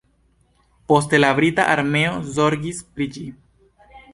Poste la brita armeo zorgis pri ĝi.